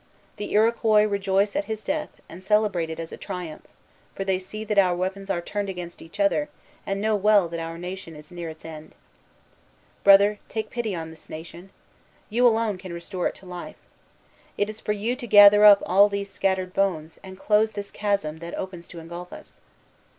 The Iroquois rejoice at his death, and celebrate it as a triumph; for they see that our weapons are turned against each other, and know well that our nation is near its end. "Brother, take pity on this nation. You alone can restore it to life. It is for you to gather up all these scattered bones, and close this chasm that opens to ingulf us.